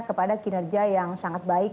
kepada kinerja yang sangat baik